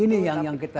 ini yang kita